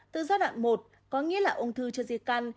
từ giai đoạn một có nghĩa là ung thư cho di căn